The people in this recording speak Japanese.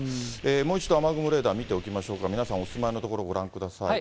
もう一度雨雲レーダー見てみましょうか、皆さんお住まいの所ご覧ください。